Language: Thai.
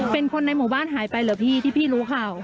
เป็นคนในหมู่บ้านหายไปเหรอพี่ที่พี่รู้ข่าว